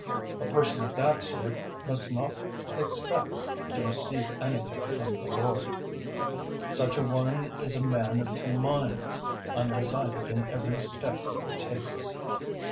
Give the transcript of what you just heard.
001:007 A person of that sort must not expect to receive anything from the Lord 001:008 such a one is a man of two minds, undecided in every step he takes.